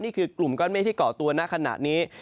นี่คือกลุ่มก้อนเมฆที่เกาะตัวณขณะนี้